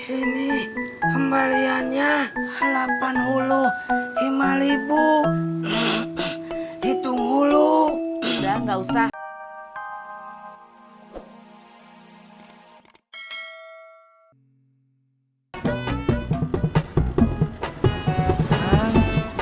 ini kembaliannya alapan hulu himal ibu itu hulu udah nggak usah